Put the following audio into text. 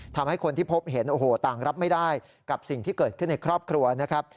ทำให้คนที่พบเห็นโอ้โหต่างรับไม่ได้กับสิ่งที่เกิดขึ้นในครอบครัวนะครับ